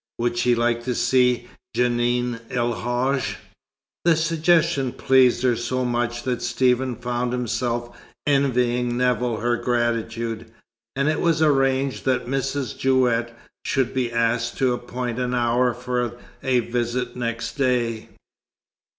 Would she like to see Djenan el Hadj? The suggestion pleased her so much that Stephen found himself envying Nevill her gratitude. And it was arranged that Mrs. Jewett should be asked to appoint an hour for a visit next day.